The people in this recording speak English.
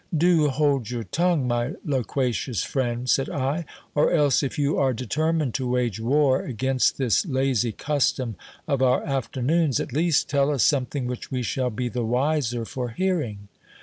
Do hold your tongue, my loquacious friend, said I : or else, if you are determined to wage war against this lazy custom of our afternoons, at least tell us something which we shall be the wiser for hearing.